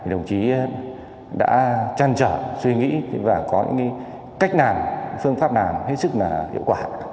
đồng chí đã trăn trở suy nghĩ và có những cách nàm phương pháp nàm hết sức hiệu quả